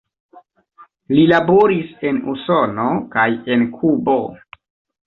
Li laboris en Usono kaj en Kubo.